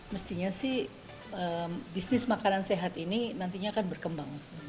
mestinya sih bisnis makanan sehat ini nantinya akan berkembang